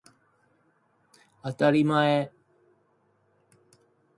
あたりまえ